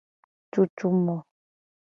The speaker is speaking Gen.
Tutu mo.